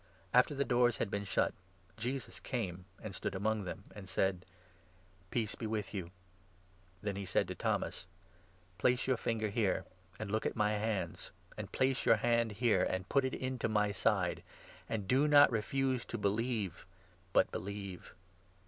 After the doors had been shut, Jesus came and stood among them, and said: "Peace be with you." Then he said to Thomas : 27 " Place your finger here, and look at my hands ; and place your hand here, and put it into my side ; and do not refuse to believe, but believe."